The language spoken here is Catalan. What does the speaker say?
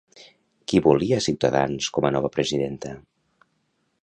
Qui volia Ciutadans com a nova presidenta?